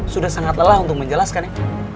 sudah sangat lelah untuk menjelaskannya